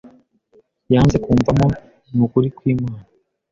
yanze kumvamonukuri kwimana